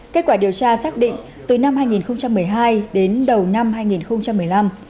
kết quả điều tra xác định từ năm hai nghìn một mươi hai đến đầu năm hai nghìn một mươi năm